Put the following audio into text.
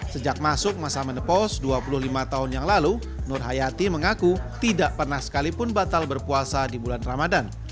sejak masuk masa menepos dua puluh lima tahun yang lalu nur hayati mengaku tidak pernah sekalipun batal berpuasa di bulan ramadan